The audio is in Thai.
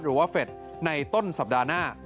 หรือว่าเฟทในต้นสัปดาห์หน้า